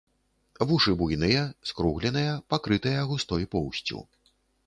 Вушы буйныя, скругленыя, пакрытыя густой поўсцю.